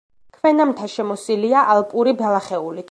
ქვენამთა შემოსილია ალპური ბალახეულით.